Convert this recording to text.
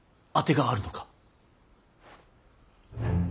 当てがあるのか。